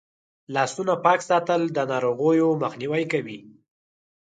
لاسونه پاک ساتل د ناروغیو مخنیوی کوي.